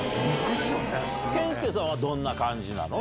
健介さんはどんな感じなの？